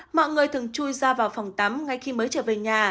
mọi người thường chui ra vào phòng tắm ngay khi mới trở về nhà